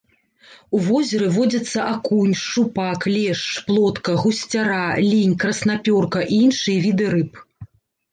У возеры водзяцца акунь, шчупак, лешч, плотка, гусцяра, лінь, краснапёрка і іншыя віды рыб.